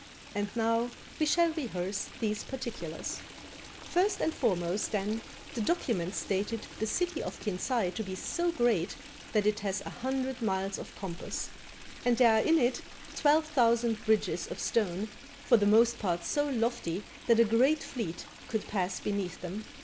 And now we shall rehearse these particulars. First and foremost, then, the document stated the city of Kinsay to be so great that it hath an hundred miles of compass. And there are in it twelve thousand bridges of stone, for the most part so lofty that a great fleet could pass beneath them.